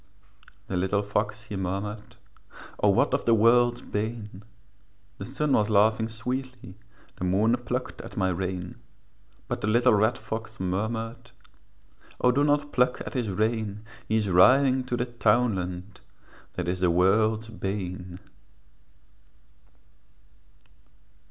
The little fox he murmured, 'O what is the world's bane?' The sun was laughing sweetly, The moon plucked at my rein; But the little red fox murmured, 'O do not pluck at his rein, He is riding to the townland, That is the world's bane.'